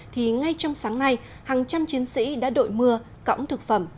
thì ngay trong sáng nay hàng trăm chiến sĩ đã đội mưa cõng thực phẩm